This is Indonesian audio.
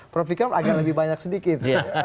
prof ikam agak lebih banyak sedikit